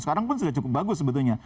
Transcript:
sekarang pun sudah cukup bagus sebetulnya